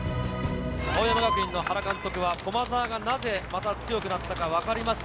青山学院の原監督は、駒澤がなぜまた強くなったか分かりますか？